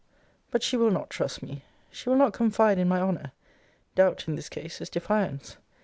But she will not trust me. She will not confide in my honour. Doubt, in this case, is defiance.